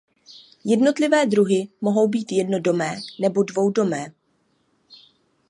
Jednotlivé druhy mohou být jednodomé nebo dvoudomé.